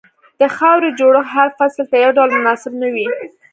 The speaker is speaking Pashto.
د خاورې جوړښت هر فصل ته یو ډول مناسب نه وي.